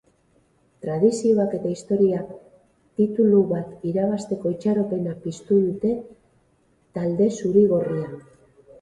Tradizioak eta historiak titulu bat irabazteko itxaropena piztu dute talde zuri-gorrian.